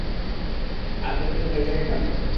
আর কতদিন ভাইটাকে খাবি?